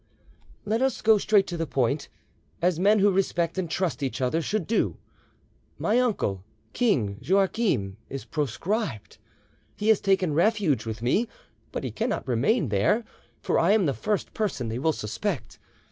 "Let us go straight to the point, as men who respect and trust each other should do. My uncle, King Joachim, is proscribed, he has taken refuge with me; but he cannot remain there, for I am the first person they will suspect.